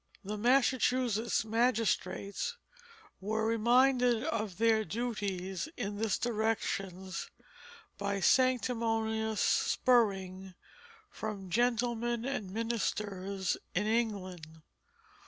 The Massachusetts magistrates were reminded of their duties in this direction by sanctimonious spurring from gentlemen and ministers in England.